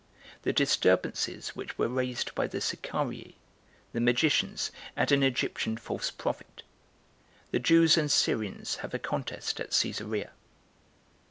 The Disturbances Which Were Raised By The Sicarii The Magicians And An Egyptian False Prophet. The Jews And Syrians Have A Contest At Cesarea. 1.